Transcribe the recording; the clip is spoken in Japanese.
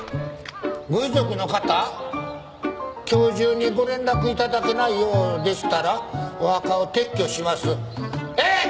「ご遺族の方今日中にご連絡頂けないようでしたらお墓を撤去します」えっ！？